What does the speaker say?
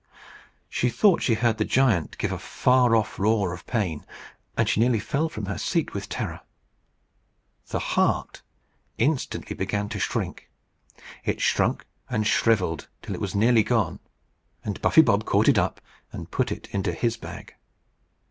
She thought she heard the giant give a far off roar of pain, and she nearly fell from her seat with terror. The heart instantly began to shrink. It shrunk and shrivelled till it was nearly gone; and Buffy Bob caught it up and put it into his bag.